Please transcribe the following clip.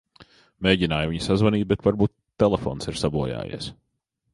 Mēģināju viņu sazvanīt, bet varbūt telefons ir sabojājies.